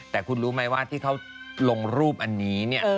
แต่คุณรู้ไหมว่าที่เขาลงรูปอันนี้เนี่ย